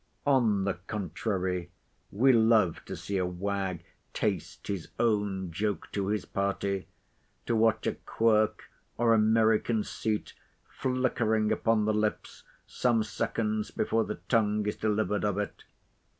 On the contrary, we love to see a wag taste his own joke to his party; to watch a quirk, or a merry conceit, flickering upon the lips some seconds before the tongue is delivered of it.